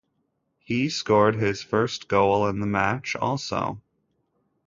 He scored his first goal in the match also.